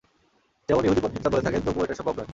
যেমন ইহুদী পণ্ডিতরা বলে থাকেন তবুও এটা সম্ভব নয়।